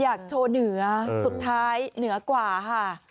อยากโชว์เหนือสุดท้ายเหนือกว่าค่ะ